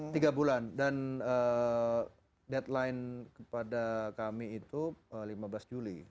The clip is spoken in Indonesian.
tiga bulan dan deadline kepada kami itu lima belas juli